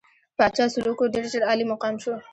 پاچا سلوکو ډېر ژر عالي مقام شو.